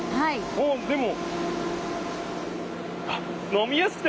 あっでも。